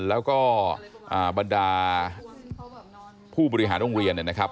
แล้วก็บรรดาผู้บริหารโรงเรียนเนี่ยนะครับ